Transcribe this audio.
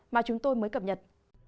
mà chúng tôi mới cập nhật